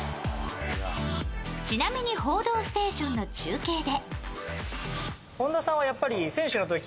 ちなみに「報道ステーション」の中継で。